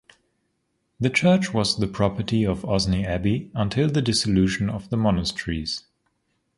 The church was the property of Osney Abbey until the dissolution of the monasteries.